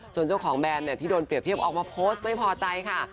เจ้าของแบรนด์ที่โดนเปรียบเทียบออกมาโพสต์ไม่พอใจค่ะ